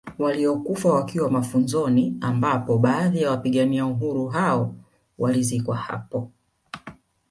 Waliokufa wakiwa mafunzoni ambapo baadhi ya wapigania uhuru hao walizikwa hapo